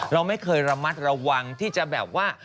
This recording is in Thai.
เราไม่เคยระมัดระวังที่จะแบบว่า